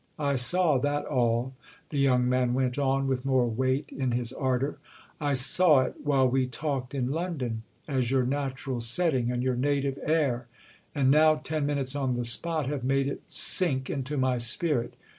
I saw that all," the young man went on with more weight in his ardour, "I saw it, while we talked in London, as your natural setting and your native air—and now ten minutes on the spot have made it sink into my spirit.